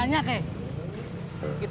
kita kaya kejadian